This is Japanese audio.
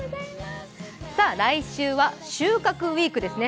来週は収穫ウィークですね。